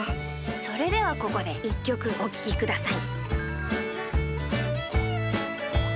それではここで１きょくおききください。